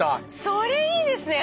それいいですね。